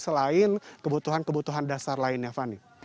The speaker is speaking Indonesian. selain kebutuhan kebutuhan dasar lainnya fani